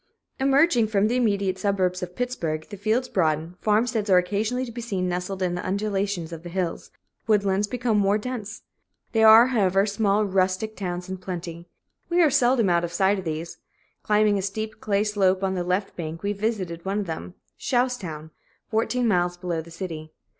Emerging from the immediate suburbs of Pittsburg, the fields broaden, farmsteads are occasionally to be seen nestled in the undulations of the hills, woodlands become more dense. There are, however, small rustic towns in plenty; we are seldom out of sight of these. Climbing a steep clay slope on the left bank, we visited one of them Shousetown, fourteen miles below the city.